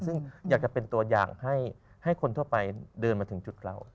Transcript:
ซึ่งอยากจะเป็นตัวอย่างให้คนทั่วไปเดินมาถึงจุดเรา